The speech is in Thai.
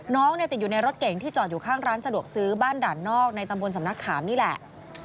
น้องเนี่ยติดอยู่ในรถเก่งที่จอดอยู่ข้างร้านสะดวกซื้อบ้านด่านนอกในตำบลสำนักขามนี่แหละ